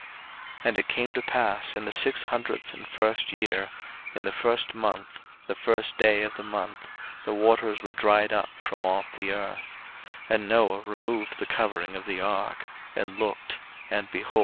01:008:013 And it came to pass in the six hundredth and first year, in the first month, the first day of the month, the waters were dried up from off the earth: and Noah removed the covering of the ark, and looked, and, behold, the face of the ground was dry.